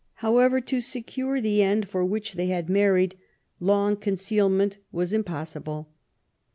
However, to secure the end for which they had married, long concealment was impossible.